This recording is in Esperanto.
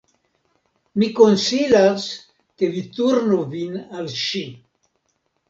Mi konsilas ke vi turnu vin al ŝi.